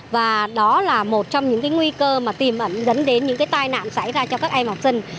và đó là một trong những nguy cơ mà tìm ẩn dẫn đến những tai nạn xảy ra cho các em học sinh